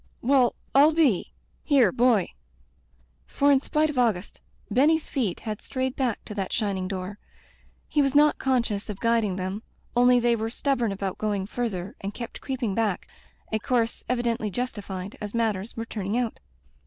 "Well, rU be— Here, boy." For in spite of Auguste, Benny's feet had strayed back to that shining door. He was not conscious of guiding them, only they were stubborn about going further, and kept creeping back — z course evidendy justified, as matters were turning out.